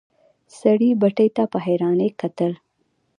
سړي بتۍ ته په حيرانی کتل.